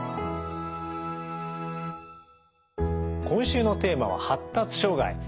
今週のテーマは「発達障害」。